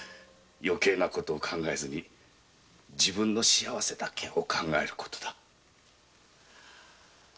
余計なことを考えず自分の幸せだけを考えればよい。